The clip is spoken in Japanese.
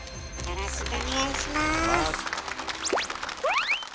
よろしくお願いします。